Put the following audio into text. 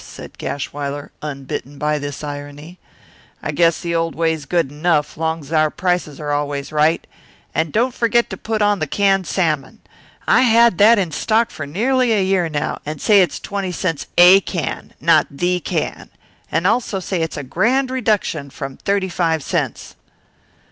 said Gashwiler, unbitten by this irony. "I guess the old way's good enough, long's our prices are always right. Don't forget to put on that canned salmon. I had that in stock for nearly a year now and say it's twenty cents 'a' can, not 'the' can. Also say it's a grand reduction from thirty five cents."